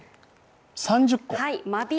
３０個。